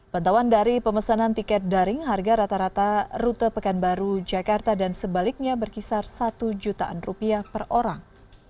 pantauan dari pemesanan tiket daring harga rata rata rute pekanbaru jakarta dan sebaliknya berkisar satu jutaan rupiah per orang